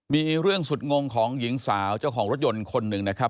มีเรื่องสุดงงของหญิงสาวเจ้าของรถยนต์คนหนึ่งนะครับ